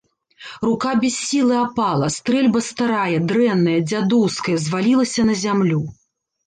Рука без сілы апала, стрэльба старая, дрэнная, дзядоўская, звалілася на зямлю.